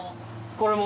これも？